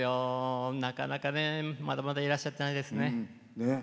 なかなかねまだまだいらっしゃってないですね。